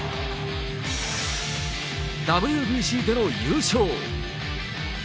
ＷＢＣでの優勝。